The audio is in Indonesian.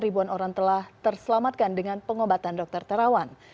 ribuan orang telah terselamatkan dengan pengobatan dokter terawan